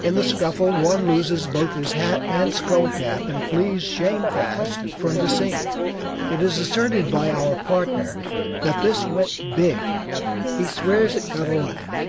In the scuffle one loses both his hat and skull cap and flees shamefast from the scene. It is asserted by our partner that "this went big." He swears it got a laugh.